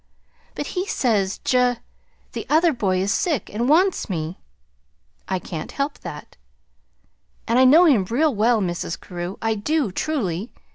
"But he says Ja the other boy is sick, and wants me!" "I can't help that." "And I know him real well, Mrs. Carew. I do, truly.